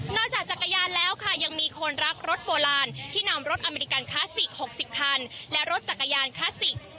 จากจักรยานแล้วค่ะยังมีคนรักรถโบราณที่นำรถอเมริกันคลาสสิก๖๐คันและรถจักรยานคลาสสิก